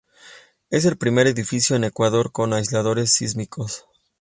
Es el primer edificio en Ecuador con aisladores sísmicos.